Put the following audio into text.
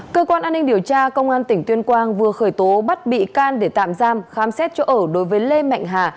cơ quan an ninh điều tra công an tỉnh tuyên quang vừa khởi tố bắt bị can để tạm giam khám xét chỗ ở đối với lê mạnh hà